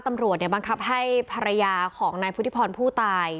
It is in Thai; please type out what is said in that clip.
ตำรวจบังคับให้ภรรยาของนายพุทธิพรผู้ตาย